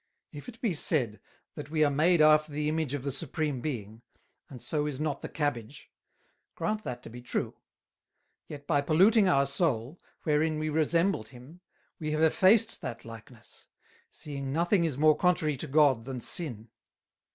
If it be said, that we are made after the Image of the Supreme Being, and so is not the Cabbage; grant that to be true; yet by polluting our Soul, wherein we resembled Him, we have effaced that Likeness, seeing nothing is more contrary to God than Sin.